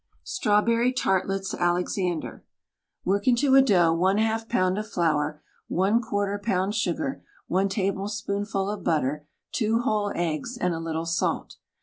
STRAWBERRY TARTLETS ALEXANDER Work into a dough Yz pound of flour, J4 pound sugar, I tablespoonf ul of butter, 2 whole eggs, and a little salt.